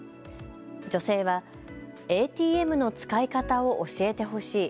女性は、ＡＴＭの使い方を教えてほしい。